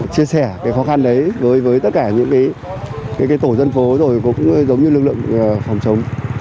chia sẻ cái khó khăn đấy đối với tất cả những tổ dân phố rồi cũng giống như lực lượng phòng chống